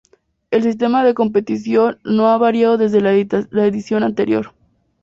El sistema de competición no ha variado desde la edición anterior.